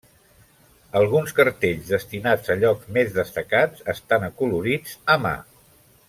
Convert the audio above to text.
Alguns cartells, destinats a llocs més destacats, estan acolorits a mà.